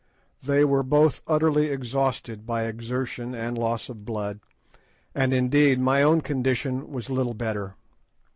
They were both utterly exhausted by exertion and loss of blood, and, indeed, my own condition was little better.